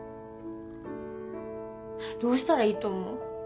どうしたらいいと思う？